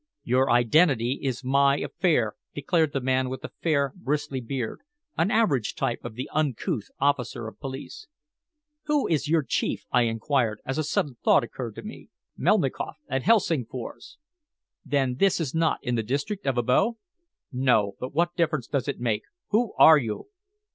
"Your identity is my affair," declared the man with the fair, bristly beard, an average type of the uncouth officer of police. "Who is your chief?" I inquired, as a sudden thought occurred to me. "Melnikoff, at Helsingfors." "Then this is not in the district of Abo?" "No. But what difference does it make? Who are you?"